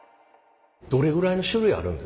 どれぐらいの種類あるんですか？